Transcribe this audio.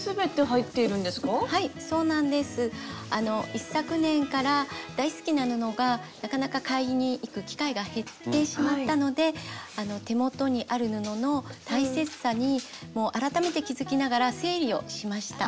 一昨年から大好きな布がなかなか買いに行く機会が減ってしまったので手元にある布の大切さにもう改めて気付きながら整理をしました。